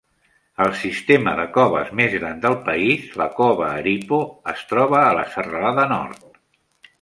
El sistema de coves més gran del país, la cova Aripo, es troba a la Serralada Nord.